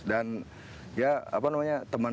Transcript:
dan ya apa namanya teman